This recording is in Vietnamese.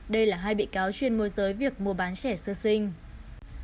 đây là hai bị cáo chuyên môi giới việc mua bán trẻ sơ sinh